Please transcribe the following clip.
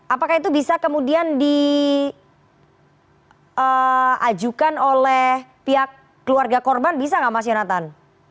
apakah itu bisa kemudian diajukan oleh pihak keluarga korban bisa nggak mas yonatan